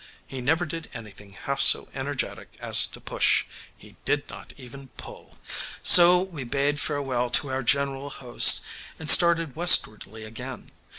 He never did anything half so energetic as to push: he did not even pull. So we bade farewell to our genial host and started westwardly again.